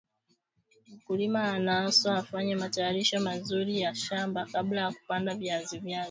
Mkulima anaaswa afanye matayarisho mazuri ya shamba kabla ya kupanda viazi viazi